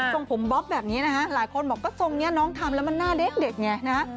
ส่งผมบ๊อบแบบนี้นะฮะหลายคนบอกก็ทรงนี้น้องทำแล้วมันหน้าเด็กไงนะฮะ